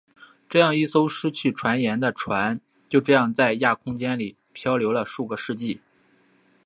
这样一艘失去船员的船就这样在亚空间里飘流数个世纪。